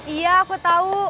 iya aku tahu